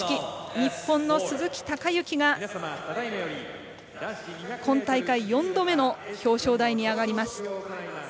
日本の鈴木孝幸が今大会４度目の表彰台に上がります。